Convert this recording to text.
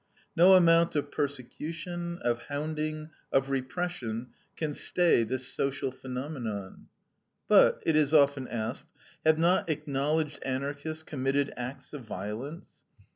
No amount of persecution, of hounding, of repression, can stay this social phenomenon. But, it is often asked, have not acknowledged Anarchists committed acts of violence?